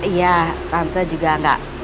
iya tante juga nggak